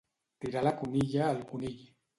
Tirar la conilla al conill.